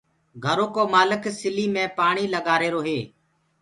گھرو ڪو مآلڪ سليٚ مي پآڻيٚ لگآهيرو هي